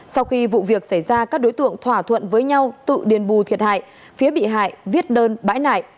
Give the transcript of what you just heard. sau khi vụ việc xảy ra các đối tượng thỏa thuận với nhau tự điền bù thiệt hại phía bị hại viết đơn bãi nại